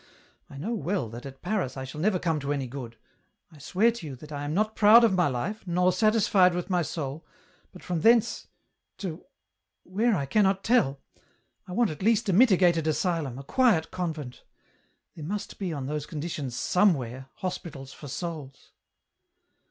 I know well that at Paris I shall never come to any good. I swear to you that I am not proud of my life, nor satisfied with my soul, but from thence ... to ... where I cannot tell ; I want at least a mitigated asylum, a quiet convent. There must be, on those conditions, somewhere, hospitals for souls."